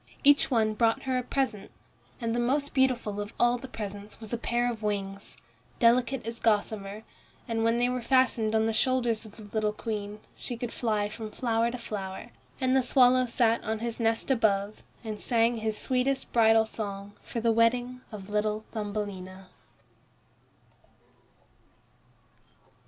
Each one brought her a present, and the most beautiful of all the presents was a pair of wings, delicate as gossamer. And when they were fastened on the shoulders of the little Queen, she could fly from flower to flower. And the swallow sat on his nest above, and sang his sweetest bridal song for the wedding of little Thumbelina.